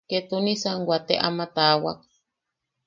Ketunisan waate ama tawaak.